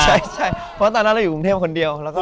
ใช่เพราะตอนนั้นเราอยู่กรุงเทพคนเดียว